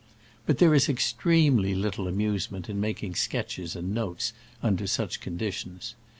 But there is extremely little amusement in making sketches and notes under such conditions.